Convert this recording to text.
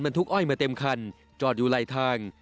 ทุกอ้อยมาเต็มคันจอดอยู่ไหลทาง